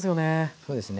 そうですね。